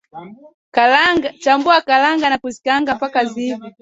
Chambua karanga na kuzikaanga mpaka ziive